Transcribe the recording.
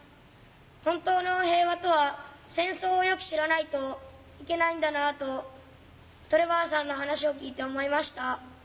本当の平和とは戦争をよく知らないといけないんだなとトレバーさんの話を聞いて思いました。